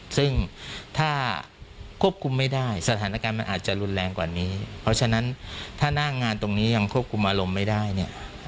ซึ่งถ้าควบคุมไม่ได้สถานการณ์มันอาจจะรุนแรงกว่านี้เพราะฉะนั้นถ้าหน้างานตรงนี้ยังควบคุมอารมณ์ไม่ได้เนี่ย